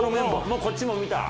もうこっちも見た？